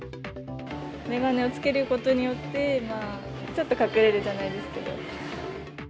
眼鏡を着けることによって、ちょっと隠れるじゃないですけど。